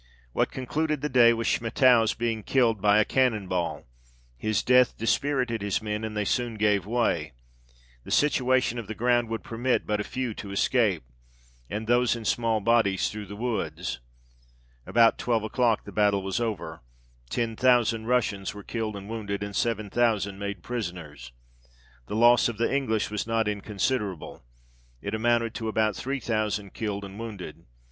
What concluded the day was Schmettau's being killed by a cannon ball : his death dispirited his men, and they soon gave way ; the situation of the ground would permit but a few to escape, and those in small bodies through the woods. About twelve o'clock the battle was over. Ten thousand Russians were killed and wounded, and seven thousand made prisoners. The loss of the English was not incon siderable ; it amounted to about three thousand killed and wounded.